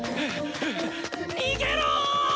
逃げろぉ！